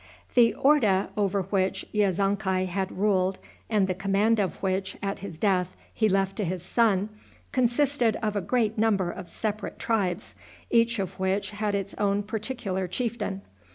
The orda over which Yezonkai had ruled, and the command of which, at his death, he left to his son, consisted of a great number of separate tribes, each of which had its own particular chieftain.